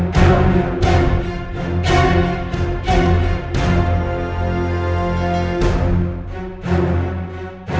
sampai jumpa gak